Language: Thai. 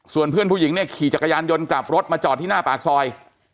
ส่วนเพื่อนผู้หญิงเนี่ยขี่จักรยานยนต์กลับรถมาจอดที่หน้าปากซอย